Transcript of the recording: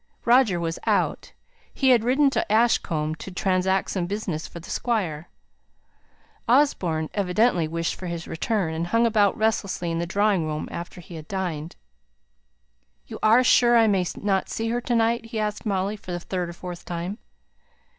Roger was out: he had ridden to Ashcombe to transact some business for the Squire. Osborne evidently wished for his return; and hung about restlessly in the drawing room after he had dined. "You're sure I mayn't see her to night?" he asked Molly, for the third or fourth time.